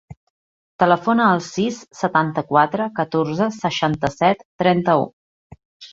Telefona al sis, setanta-quatre, catorze, seixanta-set, trenta-u.